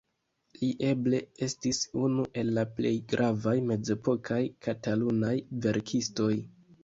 Li eble estis unu el la plej gravaj mezepokaj katalunaj verkistoj.